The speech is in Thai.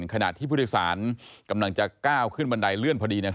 ขณะที่ผู้โดยสารกำลังจะก้าวขึ้นบันไดเลื่อนพอดี